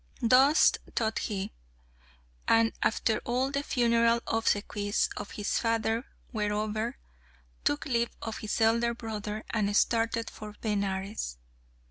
Thus thought he, and after all the funeral obsequies of his father were over, took leave of his elder brother, and started for Benares.